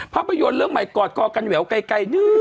ภาพยนตร์เรื่องใหม่กอดกอกันแหววไกล